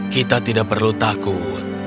kita tidak perlu takut